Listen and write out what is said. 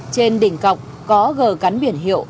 trên đỉnh cọc có gờ cắn biển hiệu